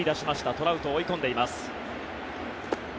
トラウトを追い込んでいます。